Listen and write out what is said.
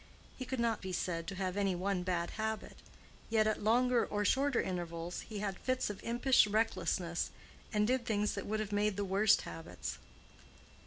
He could not be said to have any one bad habit; yet at longer or shorter intervals he had fits of impish recklessness, and did things that would have made the worst habits.